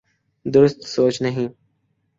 درست سوچ نہیں۔